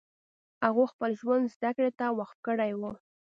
هغو خپل ژوند زدکړې ته وقف کړی و